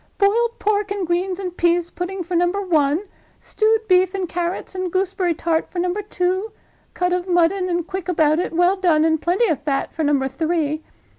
"Boiled pork and greens and pease pudding, for Number One. Stewed beef and carrots and gooseberry tart, for Number Two. Cut of mutton, and quick about it, well done, and plenty of fat, for Number Three.